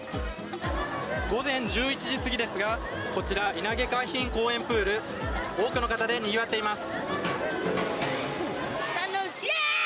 午前１１時過ぎですがこちら、稲毛海浜公園プール多くの方でにぎわっています。